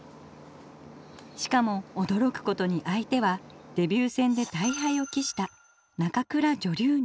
しかもおどろくことに相手はデビュー戦で大敗をきした中倉女流二段です。